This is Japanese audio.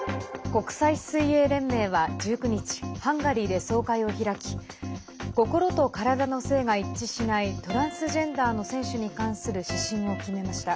国際水泳連盟は１９日ハンガリーで総会を開き心と体の性が一致しないトランスジェンダーの選手に関する指針を決めました。